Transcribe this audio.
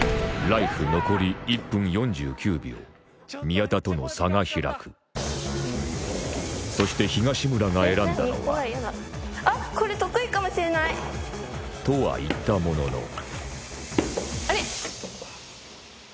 宮田との差が開くそして東村が選んだのはあっこれ得意かもしれない。とは言ったもののあれ？